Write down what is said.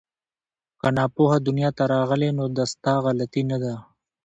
که ناپوه دنیا ته راغلې نو دا ستا غلطي نه ده